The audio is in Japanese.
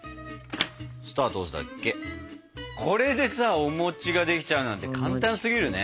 これでさお餅ができちゃうなんて簡単すぎるね。